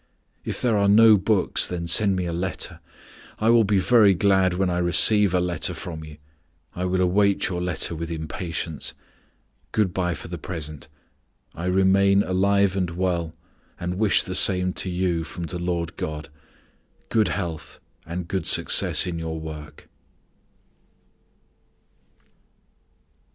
If there are no books then send me a letter. I will be very glad when I receive a letter from you. I will await your letter with impatience. Good by for the present. I remain alive and well and wish the same to you from the Lord God. Good health and good success in your work."